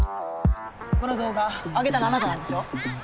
この動画あげたのあなたなんでしょ？